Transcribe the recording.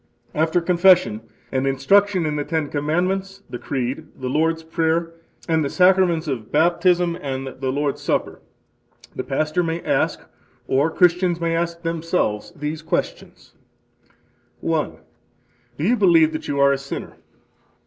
After confession and instruction in the Ten Commandments, the Creed, the Lord's Prayer, and the Sacraments of Baptism and the Lord's Supper, the pastor may ask, or Christians may ask themselves these questions: 1. Do you believe that you are a sinner?